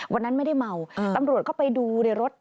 วันนั้นไม่ได้เมาตำรวจเข้าไปดูในรถ